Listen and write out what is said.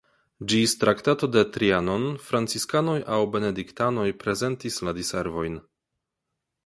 Ĝis Traktato de Trianon franciskanoj aŭ benediktanoj prezentis la diservojn.